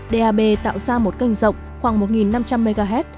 dap tạo ra một kênh rộng khoảng một kênh